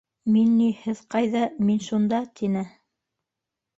Мин ни, һеҙ ҡайҙа — мин шунда, — тине.